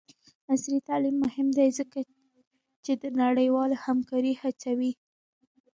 عصري تعلیم مهم دی ځکه چې د نړیوالې همکارۍ هڅوي.